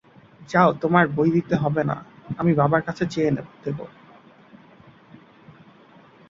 যাও তোমায় বই দিতে হবে না, আমি বাবার কাছে চেয়ে দেবো।